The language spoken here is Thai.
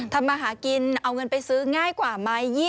ทำมาหากินเอาเงินไปซื้อง่ายกว่าไหม